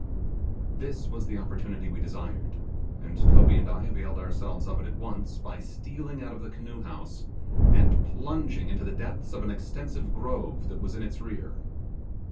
This was the opportunity we desired, and Toby and I availed ourselves of it at once by stealing out of the canoe house and plunging into the depths of an extensive grove that was in its rear.